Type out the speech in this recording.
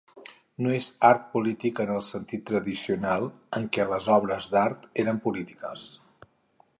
No és art polític en el sentit tradicional, en què les obres d'art eren polítiques.